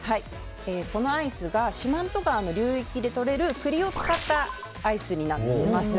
このアイスが四万十川の流域でとれる栗を使ったアイスになっています。